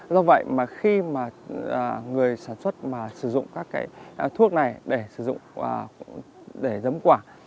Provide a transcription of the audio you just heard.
do vậy mà khi mà người sản xuất mà sử dụng các cái thuốc này để sử dụng để giấm quả